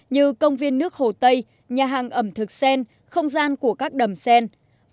như công viên nước hồ tây nhà hàng ẩm thực sen không gian của các đầm sen